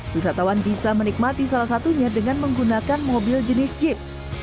wisatawan bisa menikmati salah satunya dengan menggunakan mobil jenis jeep